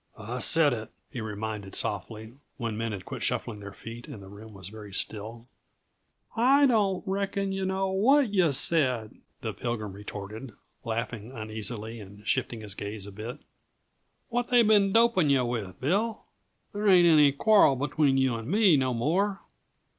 "I said it," he reminded softly, when men had quit shuffling their feet and the room was very still. "I don't reckon yuh know what yuh said," the Pilgrim retorted, laughing uneasily and shifting his gaze a bit. "What they been doping yuh with, Bill? There ain't any quarrel between you and me no more."